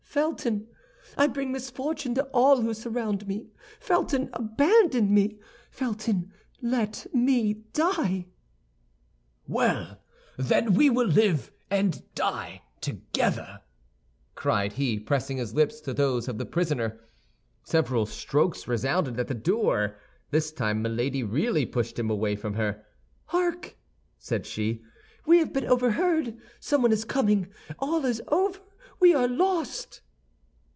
"Felton, I bring misfortune to all who surround me! Felton, abandon me! Felton, let me die!" "Well, then, we will live and die together!" cried he, pressing his lips to those of the prisoner. Several strokes resounded on the door; this time Milady really pushed him away from her. "Hark," said she, "we have been overheard! Someone is coming! All is over! We are lost!"